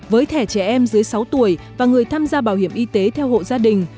với thẻ trẻ em dưới sáu tuổi và người tham gia bảo hiểm y tế theo hộ gia đình